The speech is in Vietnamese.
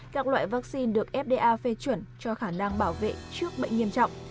các loại vaccine được fda phê chuẩn cho khả năng bảo vệ trước bệnh nghiêm trọng